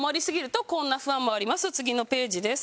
次のページです。